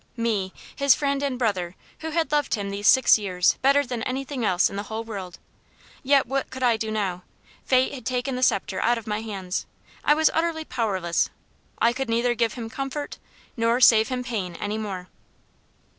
Me, his friend and brother, who had loved him these six years better than anything else in the whole world. Yet what could I do now? Fate had taken the sceptre out of my hands I was utterly powerless; I could neither give him comfort nor save him pain any more.